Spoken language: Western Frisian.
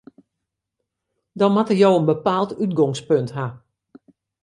Dan moatte jo in bepaald útgongspunt ha.